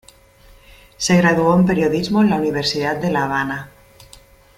Se graduó en periodismo en la Universidad de La Habana.